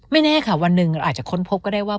แน่ค่ะวันหนึ่งเราอาจจะค้นพบก็ได้ว่า